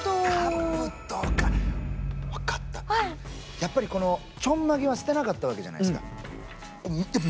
やっぱりこのちょんまげは捨てなかったわけじゃないですか。